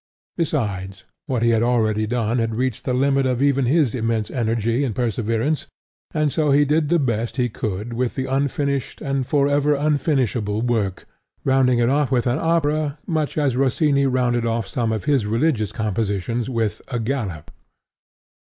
Besides, what he had already done had reached the limit of even his immense energy and perseverance and so he did the best he could with the unfinished and for ever unfinishable work, rounding it off with an opera much as Rossini rounded off some of his religious compositions with a galop.